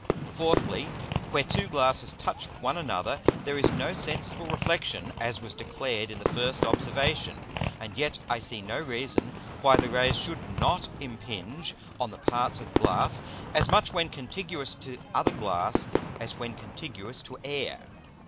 Fourthly, Where two Glasses touch one another, there is no sensible Reflexion, as was declared in the first Observation; and yet I see no reason why the Rays should not impinge on the parts of Glass, as much when contiguous to other Glass as when contiguous to Air.